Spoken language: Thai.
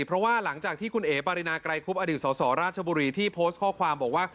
เพราะว่าหลังจากที่คุณเอ๋ปารินาไกรคุบอดีตสสราชบุรีที่โพสต์ข้อความบอกว่า